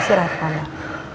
serah pak amar